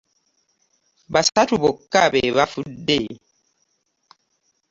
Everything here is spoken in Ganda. Basatu bokka be baafudde?